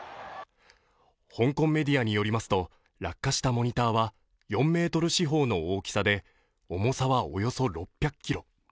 香港メディアによりますと、落下したモニターは４メートル四方の大きさで重さはおよそ６００ｋｇ。